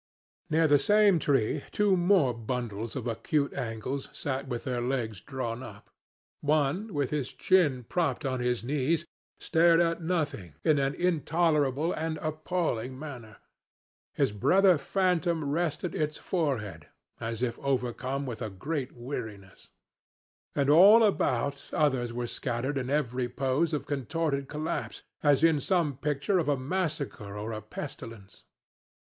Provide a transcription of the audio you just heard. "Near the same tree two more bundles of acute angles sat with their legs drawn up. One, with his chin propped on his knees, stared at nothing, in an intolerable and appalling manner: his brother phantom rested its forehead, as if overcome with a great weariness; and all about others were scattered in every pose of contorted collapse, as in some picture of a massacre or a pestilence.